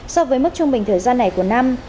so với mức trung bình thời gian này của năm